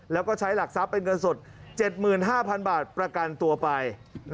แล้วก็ใช้หลักทรัพย์เป็นเงินสด๗๕๐๐๐บาทประกันตัวไป